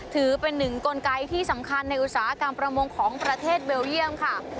ถือเป็นหนึ่งกลไกที่สำคัญในอุตสาหกรรมประมงของประเทศเบลเยี่ยมค่ะ